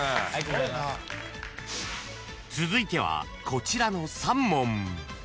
［続いてはこちらの３問］